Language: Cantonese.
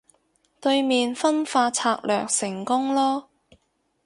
對面分化策略成功囉